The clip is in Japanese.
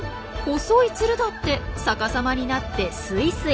細いツルだって逆さまになってスイスイ。